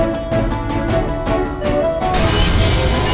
kamu nambah takut loh